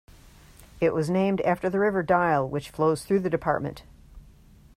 It was named after the river Dyle, which flows through the department.